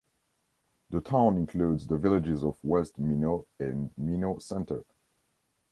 The town includes the villages of West Minot and Minot Center.